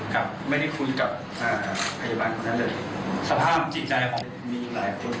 กับไม่ได้คุยกับอ่าพยาบาลคนนั้นเลยสภาพจิตใจผมมีหลายคน